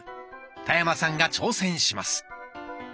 田山さんが挑戦します。